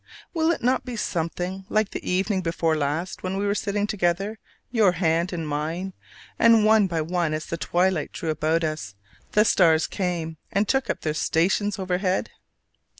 Will it not be something like the evening before last when we were sitting together, your hand in mine, and one by one, as the twilight drew about us, the stars came and took up their stations overhead?